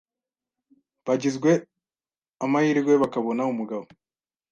bagizwe amahirwe bakabona umugabo